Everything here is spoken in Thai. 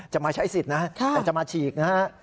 จะมาใช้สิทธิ์นะครับแต่จะมาฉีกนะครับ